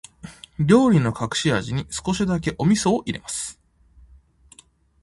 料理の隠し味に、少しだけお味噌を入れます。